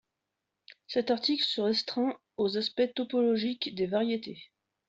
Cet article se restreint aux aspects topologiques des variétés.